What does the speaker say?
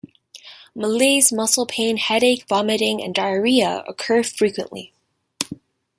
Malaise, muscle pain, headache, vomiting, and diarrhea occur frequently.